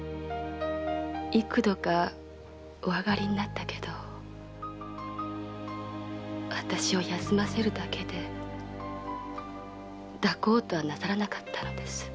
幾度かお上がりになったけど私を休ませるだけで抱こうとはなさらなかったのです。